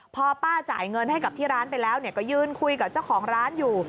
พอป้าจ่ายเงินให้กับที่ร้านไปแล้วก็ยืนคุยกับเจ้าของร้านอยู่